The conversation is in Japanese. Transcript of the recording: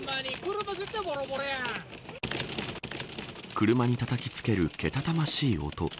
車にたたきつけるけたたましい音。